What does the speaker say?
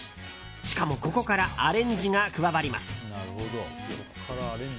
しかも、ここからアレンジが加わります。